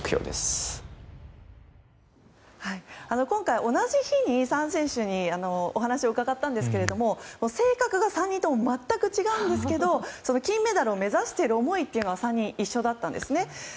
今回、同じ日に３選手にお話を伺ったんですけど性格が３人とも全く違うんですけど金メダルを目指している思いは３人一緒だったんですね。